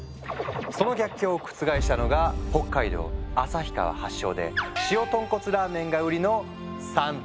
その逆境を覆したのが北海道旭川発祥で塩豚骨ラーメンが売りの「山頭火」。